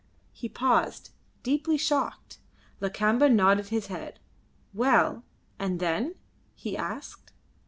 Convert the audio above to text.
He paused, deeply shocked. Lakamba nodded his head. "Well, and then?" he asked.